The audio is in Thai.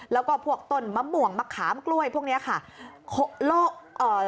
แล้วก็พวกต้นมะม่วงมะขามกล้วยพวกเนี้ยค่ะโลกเอ่อ